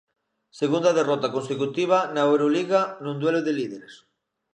Segunda derrota consecutiva na Euroliga nun duelo de líderes.